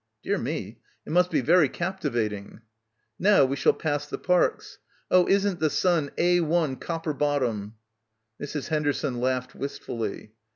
"Dear me. It must be very captivating." "Now we shall pass the parks. Oh, isn't the sun Ai copper bottom !" Mrs. Henderson laughed wistfully.